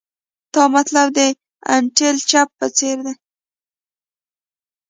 تا مطلب د انټیل چپ په څیر دی